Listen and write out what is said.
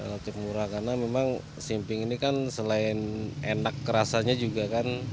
karena memang simping ini kan selain enak rasanya juga kan